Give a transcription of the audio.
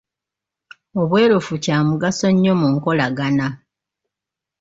Obwerufu kya mugaso nnyo mu nkolagana.